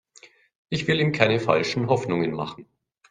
Ich will ihm keine falschen Hoffnungen machen.